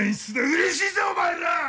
うれしいぜお前ら！